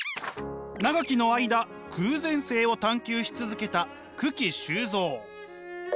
長きの間偶然性を探求し続けた九鬼周造。